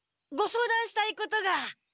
ご相談したいことが。